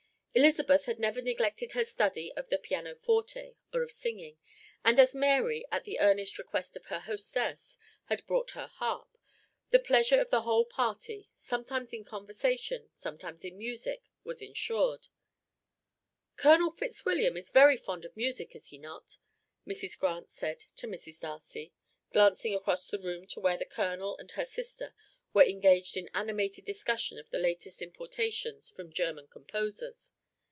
Elizabeth had never neglected her study of the pianoforte or of singing, and as Mary, at the earnest request of her hostess, had brought her harp, the pleasure of the whole party, sometimes in conversation, sometimes in music, was ensured. "Colonel Fitzwilliam is very fond of music, is he not?" Mrs. Grant said to Mrs. Darcy, glancing across the room to where the Colonel and her sister were engaged in animated discussion of the latest importations from German composers.